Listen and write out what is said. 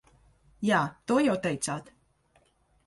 Jā, to jau teicāt.